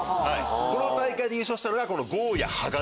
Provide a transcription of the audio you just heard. この大会で優勝したのが強矢鋼。